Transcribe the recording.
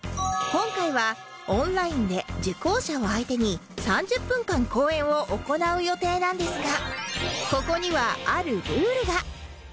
今回はオンラインで受講者を相手に３０分間講演を行う予定なんですがここにはあるルールが！